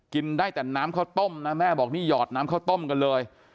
กินได้แต่น้ำข้าวต้มนะแม่บอกนี่หยอดน้ำข้าวต้มกันเลย